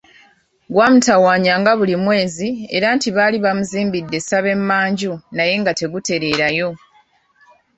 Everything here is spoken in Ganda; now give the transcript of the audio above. Gwamutawaanyanga buli mwezi era nti baali baguzimbidde essabo e manju naye nga tegutereerayo.